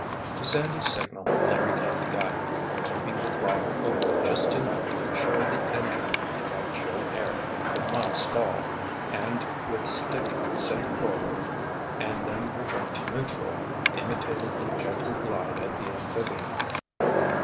To Sandy's signal Larry cut the gun, keeping the throttle open just enough to be sure the engine, in that chill air, would not stall, and with stick sent forward and then returned to neutral, imitated the gentle glide of the amphibian.